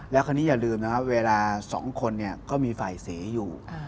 แล้วคราวนี้อย่าลืมนะครับเวลา๒คนก็มีฝ่ายเสอยู่